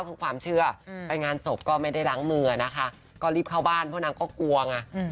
คือความเชื่อไปงานศพก็ไม่ได้ล้างมือนะคะก็รีบเข้าบ้านเพราะนางก็กลัวไง